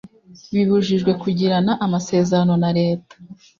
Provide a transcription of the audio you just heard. bibujijwe kugirana amasezerano na leta